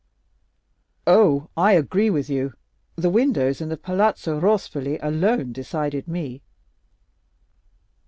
"Oh, I agree with you; the windows in the Palazzo Rospoli alone decided me."